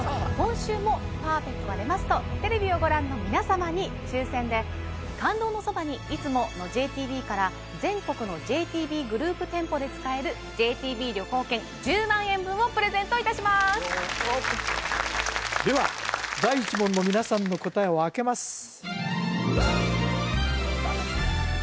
今週もパーフェクトが出ますとテレビをご覧の皆様に抽選で「感動のそばに、いつも。」のＪＴＢから全国のＪＴＢグループ店舗で使えるＪＴＢ旅行券１０万円分をプレゼントいたしますでは第１問の皆さんの答えをあけます